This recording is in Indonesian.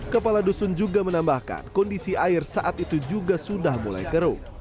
kepala dusun juga menambahkan kondisi air saat itu juga sudah mulai keruh